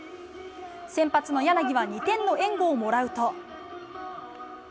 先発の柳は２点の援護をもらうと。